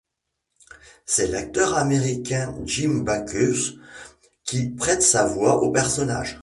C'est l'acteur américain Jim Backus qui prête sa voix au personnage.